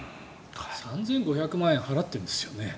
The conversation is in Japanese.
３５００万円払ってるんですよね。